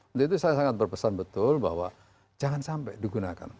untuk itu saya sangat berpesan betul bahwa jangan sampai digunakan